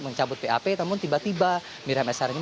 mencabut bap namun tiba tiba miriam s hariani